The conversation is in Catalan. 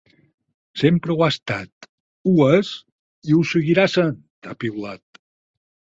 Sempre ho ha estat, ho és i ho seguirà essent, ha piulat.